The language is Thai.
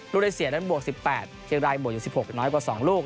ได้เสียนั้นบวก๑๘เชียงรายบวกอยู่๑๖น้อยกว่า๒ลูก